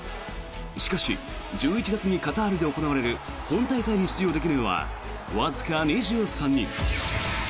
しかし、１１月にカタールで行われる本大会に出場できるのはわずか２３人。